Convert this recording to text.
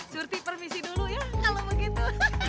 curti permisi dulu ya kalau begitu